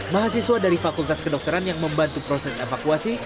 mahasiswa dari fakultas kedokteran yang membantu proses evakuasi